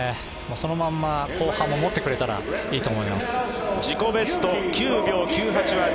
そのまま後半も、もってくれたらいいと思います。